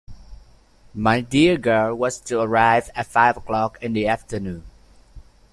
My dear girl was to arrive at five o'clock in the afternoon.